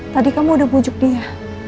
tadi kamu udah bujuk dia